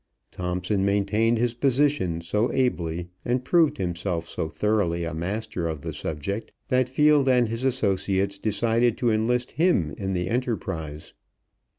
Thomson maintained his position so ably, and proved himself so thoroughly a master of the subject that Field and his associates decided to enlist him in the enterprise.